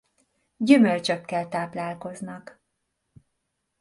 Gyümölcsökkel táplálkoznak.